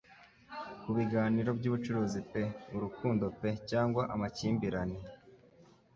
Kubiganiro byubucuruzi pe urukundo pe cyangwa amakimbirane;